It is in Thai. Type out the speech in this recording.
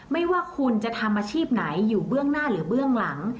ไม่ว่าคุณจะทำอาชีพไหนอยู่เบื้องหน้าหรือเบื้องหลัง